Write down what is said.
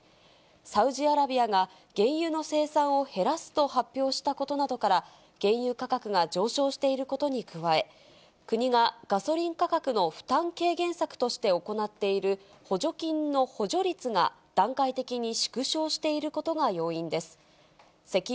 サウジアラビアが、原油の生産を減らすと発表したことなどから、原油価格が上昇していることに加え、国がガソリン価格の負担軽減策として行っている補助金の補助率が全国の皆さん、こんにちは。